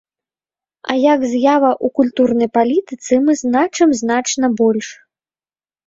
А як з'ява ў культурнай палітыцы мы значым значна больш.